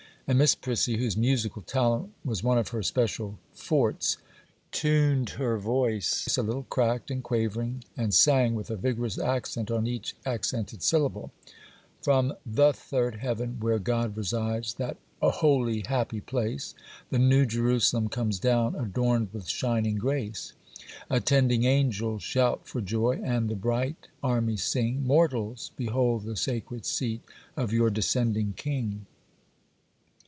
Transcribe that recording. And Miss Prissy, whose musical talent was one of her special fortes, tuned her voice, a little cracked and quavering, and sang, with a vigorous accent on each accented syllable,— 'From the third heaven, where God resides, That holy, happy place, The New Jerusalem comes down, Adorned with shining grace. 'Attending angels shout for joy, And the bright armies sing,— "Mortals! behold the sacred seat Of your descending King!"